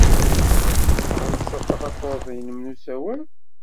Txellṣed tafatuṛt-nnem n usawal?